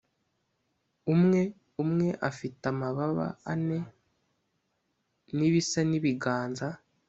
umwe umwe afite amababa ane n ibisa n ibiganza